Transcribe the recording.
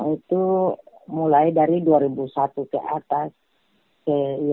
itu mulai dari dua ribu satu ke atas